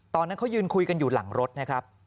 ตอนนั้นเขายืนคุยกันอยู่หลังรถนะครับ